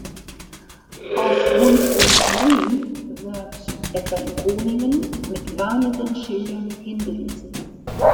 Auf Rundum-Grün wird, etwa in Groningen, mit warnenden Schildern hingewiesen.